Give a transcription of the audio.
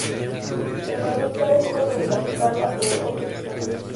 Sin embargo, se sabe poco sobre la escala de estos sistemas.